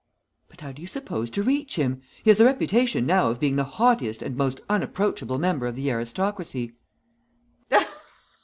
"But how do you propose to reach him? He has the reputation now of being the haughtiest and most unapproachable member of the aristocracy."